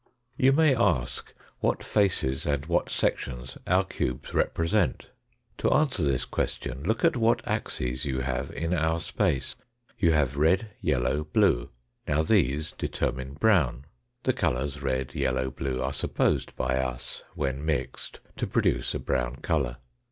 You may ask what faces and what sections our cubes represent. To answer this question look at what axes you have in our space. You have red, yellow, blue. Now these determine brown. The colours red, yellow, blue are supposed by us when mixed to produce a brown colour.